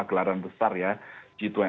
gelaran besar ya g dua puluh